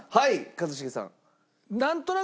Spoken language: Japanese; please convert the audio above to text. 一茂さん。